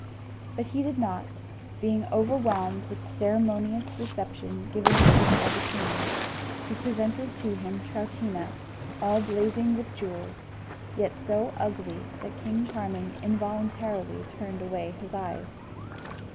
But he did not, being overwhelmed with the ceremonious reception given him by the queen, who presented to him Troutina, all blazing with jewels, yet so ugly that King Charming involuntarily turned away his eyes.